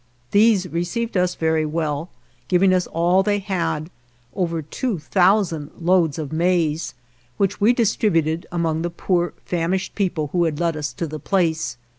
These received us very well, giving us all they had: over two thousand loads of .maize, which we dis tributed among the poor, famished people who had led us to the place.